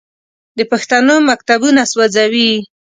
د پښتنو مکتبونه سوځوي.